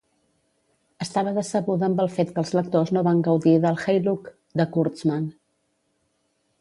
Estava decebuda amb el fet que els lectors no van gaudir del Hey Look! de Kurtzman.